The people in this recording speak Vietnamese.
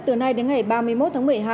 từ nay đến ngày ba mươi một tháng một mươi hai